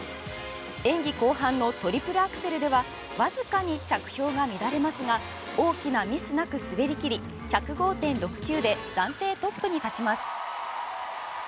演技後半のトリプルアクセルではわずかに着氷が乱れますが大きなミスなく滑り切り１０５．６９で暫定トップに立ちます。